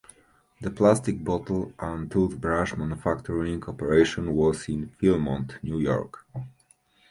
The plastic bottle and toothbrush manufacturing operation was in Philmont, New York.